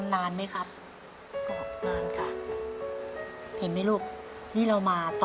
ว้าวว้าว